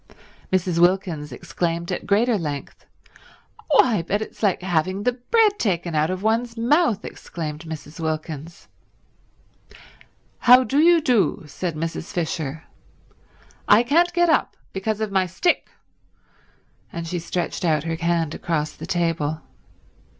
Mrs. Wilkins exclaimed at greater length. "Why, but it's like having the bread taken out of one's mouth!" exclaimed Mrs. Wilkins. "How do you do," said Mrs. Fisher. "I can't get up because of my stick." And she stretched out her hand across the table.